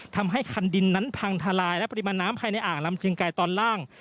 ทำให้คันดินนั้นพังทลายและปริมาณน้ำภายในอ่างลำเชียงไกรตอนล่าง